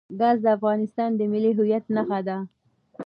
ګاز د افغانستان د ملي هویت نښه ده.